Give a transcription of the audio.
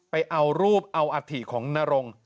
ไปเอารูปเอาอัฐิของนรง